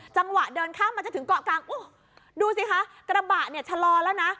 จังหวะเดินข้ามมาจนถึงเกาะกลางโอ้ดูสิคะกระบะเนี่ยชะลอแล้วนะ